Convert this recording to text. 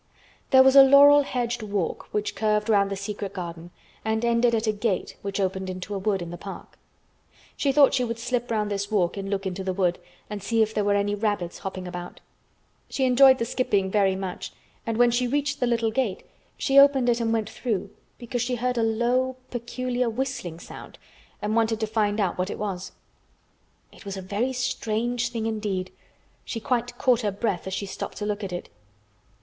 There was a laurel hedged walk which curved round the secret garden and ended at a gate which opened into a wood, in the park. She thought she would slip round this walk and look into the wood and see if there were any rabbits hopping about. She enjoyed the skipping very much and when she reached the little gate she opened it and went through because she heard a low, peculiar whistling sound and wanted to find out what it was. It was a very strange thing indeed. She quite caught her breath as she stopped to look at it.